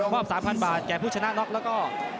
อบ๓๐๐บาทแก่ผู้ชนะน็อกแล้วก็